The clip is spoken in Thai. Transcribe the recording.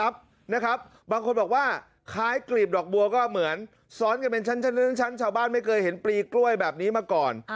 บางคนบอกว่าคล้ายกลีบดอกบัวก็เหมือนซ้อนกันเป็นชั้นชาวบ้านไม่เคยเห็นปลีกล้วยแบบนี้มาก่อน